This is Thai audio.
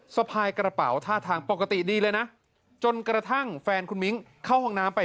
สะพายกระเป๋าท่าทางปกติดีเลยนะจนกระทั่งแฟนคุณมิ้งเข้าห้องน้ำไป